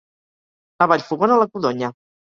A Vallfogona, la codonya.